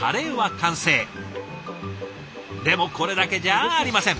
でもこれだけじゃありません。